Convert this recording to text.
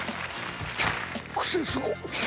『クセスゴ！』